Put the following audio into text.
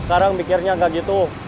sekarang mikirnya gak gitu